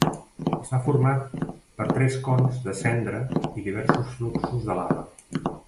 Està format per tres cons de cendra i diversos fluxos de lava.